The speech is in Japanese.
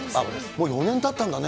もう４年たったんだね。